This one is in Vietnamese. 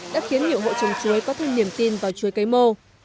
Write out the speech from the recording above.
đã khiến nhiều hộ trồng chuối có thêm niềm tin vào chuối cây mô